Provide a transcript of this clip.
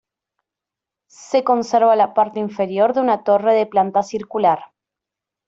Se conserva la parte inferior de una torre de planta circular.